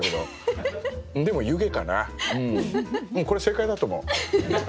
これ正解だと思う。